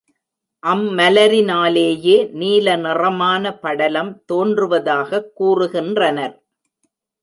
அம்மலரினாலேயே நீல நிறமான படலம் தோன்றுவதாகக் கூறுகின்றனர்.